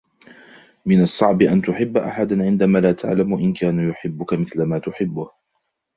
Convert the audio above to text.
من الصعب ان تحب أحدا عندما لا تعلم إن كان يحبك مثلما تحبه.